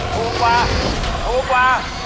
ขอให้ถูกกว่าถูกกว่า